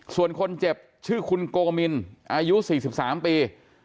ส่วนคนเจ็บชื่อคุณโกมินอายุ๔๓ปี